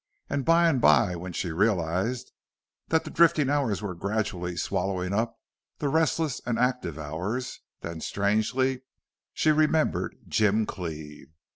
And by and by when she realized that the drifting hours were gradually swallowing up the restless and active hours, then strangely, she remembered Jim Cleve.